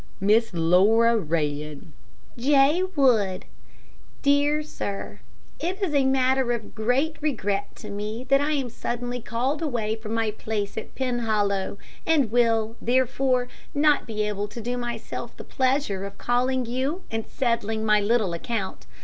Miss Laura read: J. WOOD, Esq. Dear Sir: It is a matter of great regret to me that I am suddenly called away from my place at Penhollow, and will, therefore, not be able to do myself the pleasure of calling on you and settling my little account.